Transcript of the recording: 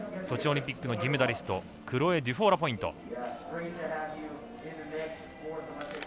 ソチオリンピックの銀メダリストクロエ・デュフォーラポイント。